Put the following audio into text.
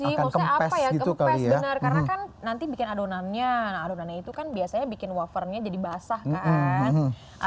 maksudnya apa ya kempes gitu kali ya karena kan nanti bikin adonannya adonannya itu kan biasanya bikin wafernya jadi basah kan